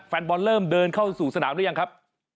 แฟนบอลเริ่มเดินเข้าสู่สนามหรือยังครับ